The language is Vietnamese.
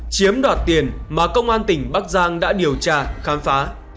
chiếm đoạt tiền mà công an tỉnh bắc giang đã điều tra khám phá